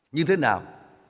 như thế nào